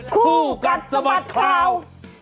คู่กัดสมัติข่าว